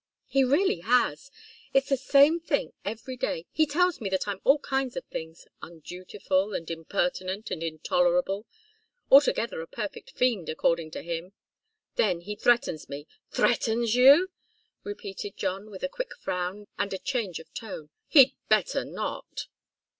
"He really has. It's the same thing every day. He tells me that I'm all kinds of things undutiful, and impertinent, and intolerable altogether a perfect fiend, according to him. Then he threatens me " "Threatens you?" repeated John, with a quick frown and a change of tone. "He'd better not!"